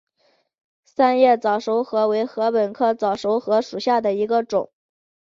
三叶早熟禾为禾本科早熟禾属下的一个种。